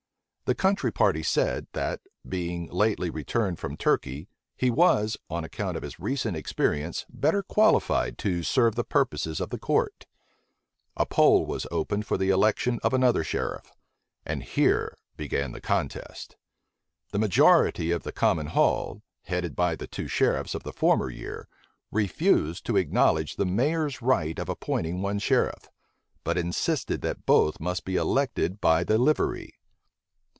The country party said, that, being lately returned from Turkey, he was, on account of his recent experience, better qualified to serve the purposes of the court. A poll was opened for the election of another sheriff; and here began the contest. The majority of the common hall, headed by the two sheriffs of the former year, refused to acknowledge the mayor's right of appointing one sheriff, but insisted that both must be elected by the livery.